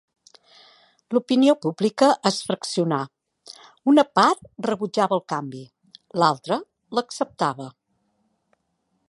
L'opinió pública es fraccionà: una part rebutjava el canvi, l'altra l'acceptava.